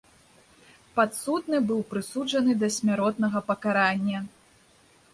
Падсудны быў прысуджаны да смяротнага пакарання.